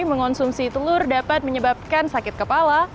mengonsumsi telur dapat menyebabkan sakit kepala